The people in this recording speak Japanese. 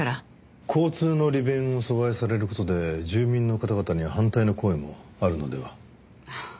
交通の利便を阻害される事で住民の方々に反対の声もあるのでは？